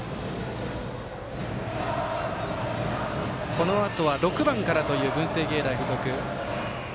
このあとは６番からという文星芸大付属。